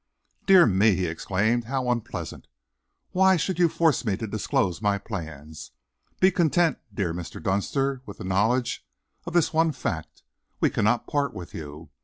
"Dear me," he exclaimed, "how unpleasant! Why should you force me to disclose my plans? Be content, dear Mr. Dunster, with the knowledge of this one fact: we cannot part with you.